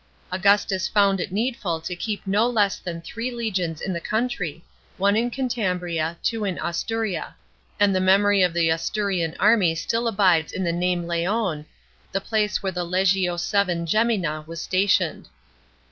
Augustus found it needful to keep no less than three legions in the country, one in Cuntabria, two in Asturia; and the memory of the Asturian army still abides in the name Zeon, the place where the legio VII. gemina was stationed.